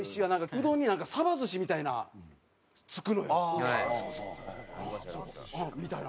うどんになんかサバ寿司みたいなのつくのよ。みたいな。